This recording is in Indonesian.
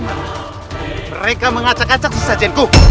mereka mengacak acak saja